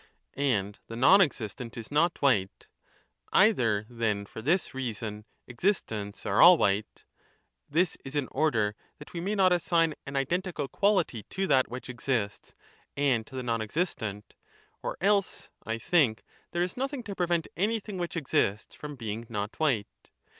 3 And the non existent is not white ; 30 either, then, for this reason existents are all white (this is in order that we may not assign an identical quality to that which exists and to the non existent), or else, I think, there is nothing to prevent anything which exists from being not white.